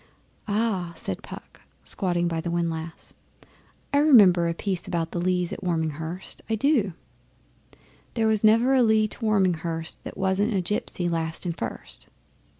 'Ah!' said Puck, squatted by the windlass. 'I remember a piece about the Lees at Warminghurst, I do: 'There was never a Lee to Warminghurst That wasn't a gipsy last and first.